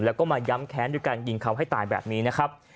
แล้วก็มาย้ำแค้นด้วยการยิงเขาให้ตายแบบนี้นะครับ